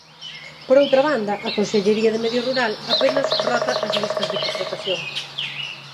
Por outra banda, a Consellería de Medio Rural apenas rota as listas de contratación.